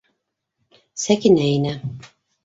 Сәкинә инә.